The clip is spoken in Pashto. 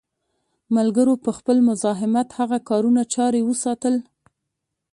ملګرو په خپل مزاحمت هغه کارونه جاري وساتل.